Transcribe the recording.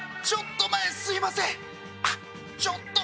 ちょっと前すいませんあっ